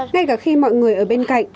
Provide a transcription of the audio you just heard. ngay cả khi mọi người ở bên cạnh